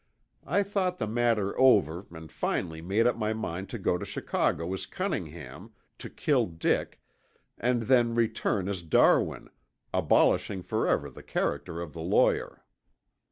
I thought the matter over and finally made up my mind to go to Chicago as Cunningham, to kill Dick, and then return as Darwin, abolishing forever the character of the lawyer.